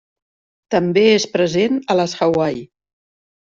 També és present a les Hawaii.